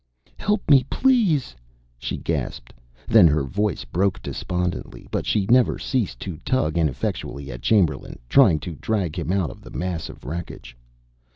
"Help me, please!" she gasped, then her voice broke despondently, but she never ceased to tug ineffectually at Chamberlain, trying to drag him out of the mass of wreckage.